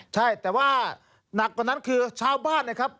ใช่แต่ว่าหนักกว่านั้นคือชาวบ้านนะครับ